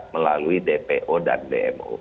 melalui dpo dan dmo